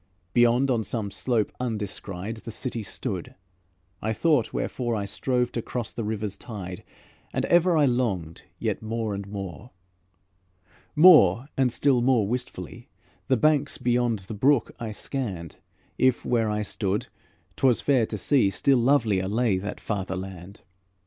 Beyond, on some slope undescried The City stood, I thought, wherefore I strove to cross the river's tide, And ever I longed, yet more and more. More, and still more wistfully, The banks beyond the brook I scanned; If, where I stood, 't was fair to see, Still lovelier lay that farther land.